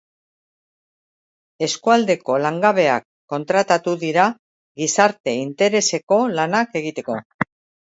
Eskualdeko langabeak kontratatu dira gizarte-intereseko lanak egiteko.